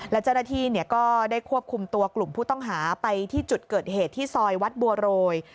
และเจ้าหน้าที่ก็ได้ควบคุมตัวกลุ่มผู้ต้องหาไปที่จุดเกิดเหตุที่ซอยวัดบัวโรย